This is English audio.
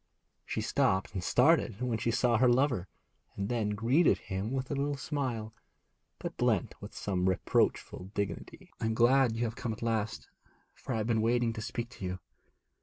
She stopped and started when she saw her lover, and then greeted him with a little smile, but blent with some reproachful dignity. 'I am glad you have come at last, for I have been wanting to speak to you.